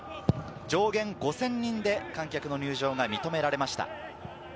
上限５０００人で観客の入場が認められました。